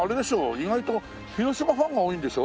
意外と広島ファンが多いんでしょ？